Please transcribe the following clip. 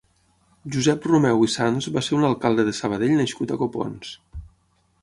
Josep Romeu i Sans va ser un alcalde de Sabadell nascut a Copons.